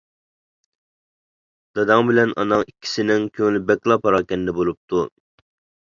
داداڭ بىلەن ئاناڭ ئىككىسىنىڭ كۆڭلى بەكلا پاراكەندە بولۇپتۇ.